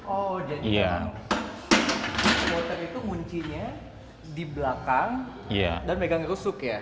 oh jadi spotter itu muncinya di belakang dan menekan rusuk ya